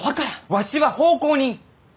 わしは奉公人！